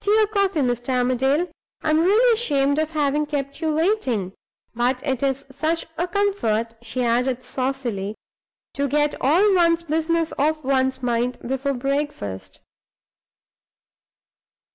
Tea or coffee, Mr. Armadale? I'm really ashamed of having kept you waiting. But it is such a comfort," she added, saucily, "to get all one's business off one's mind before breakfast!"